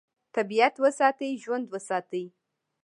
طبیعت وساتئ، ژوند وساتئ.